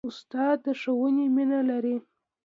استاد د ښوونې مینه لري.